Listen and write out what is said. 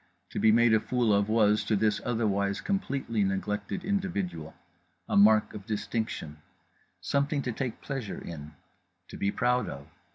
To be made a fool of was, to this otherwise completely neglected individual, a mark of distinction; something to take pleasure in; to be proud of.